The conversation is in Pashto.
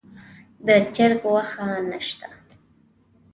د چرګ غوښه نه شته.